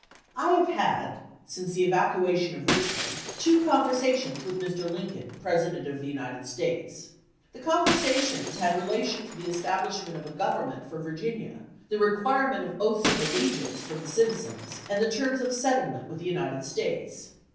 I have had, since the evacuation of Richmond, two con versations with Mr. Lincoln, President of the United States. .. The conversations had relation to the establish ment of a government for Virginia, the requirement of oaths of allegiance from the citizens, and the terms of settlement with the United States.